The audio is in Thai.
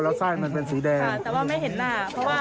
แล้วใส่มันเป็นสีแดงใช่แต่ว่าไม่เห็นหน้า